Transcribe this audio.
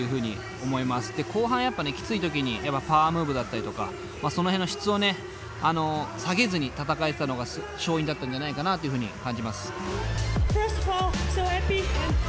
後半やっぱねきつい時にパワームーブだったりとかその辺の質を下げずに戦えてたのが勝因だったんじゃないかなというふうに感じます。